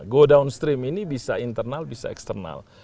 go downstream ini bisa internal bisa eksternal